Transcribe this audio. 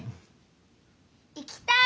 行きたい！